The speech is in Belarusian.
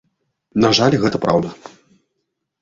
На жаль, гэта праўда.